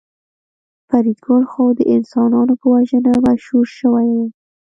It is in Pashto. فریدګل خو د انسانانو په وژنه مشهور شوی و